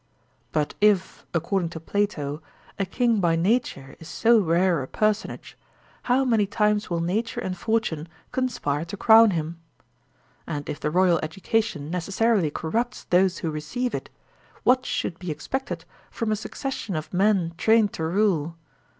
But if, according to Plato, a king by nature is so rare a personage, how many times will nature and fortune conspire to crown him ? And if the royal education nec essarily corrupts those who receive it, what should be 68 THE SOCIAL CONTRACT expected from a succession of men trained to rule?